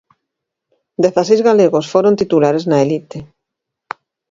Dezaseis galegos foron titulares na elite.